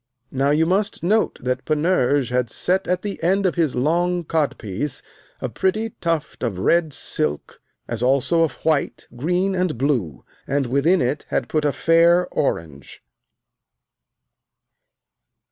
Now you must note that Panurge had set at the end of his long codpiece a pretty tuft of red silk, as also of white, green, and blue, and within it had put a fair orange.